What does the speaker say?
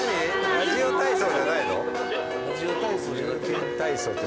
ラジオ体操じゃなくて。